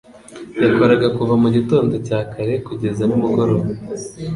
yakoraga kuva mu gitondo cya kare kugeza nimugoroba.